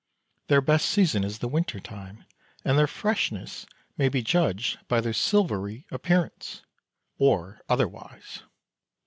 Their best season is the winter time, and their freshness may be judged by their silvery appearance or otherwise.